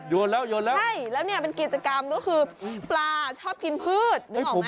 โยนแล้วโยนแล้วใช่แล้วเนี่ยเป็นกิจกรรมก็คือปลาชอบกินพืชนึกออกไหม